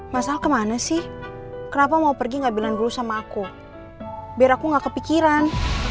masalah kemana sih kenapa mau pergi gak bilang dulu sama aku biar aku nggak kepikiran